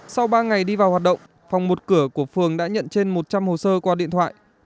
sau ba ngày đi vào hoạt động phòng một cửa của phường đã nhận trên một trăm linh hồ sơ qua điện thoại